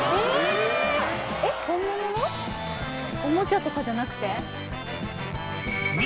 おもちゃとかじゃなくて？